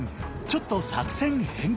ちょっと作戦変更。